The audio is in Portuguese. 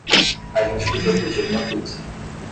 A gente podia pedir uma pizza.